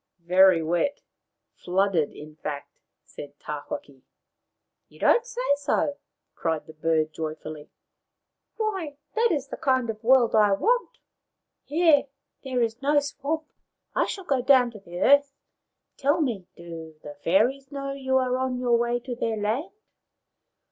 " Very wet. Flooded, in fact," said Tawhaki. " You don't say so !" cried the bird joyfully. " Why, that is the kind of world I want. Here there is no swamp. I shall go down to the earth. Tell me, do the fairies know you are on your way to their land